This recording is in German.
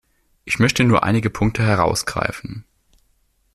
Ich möchte nur einige Punkte herausgreifen.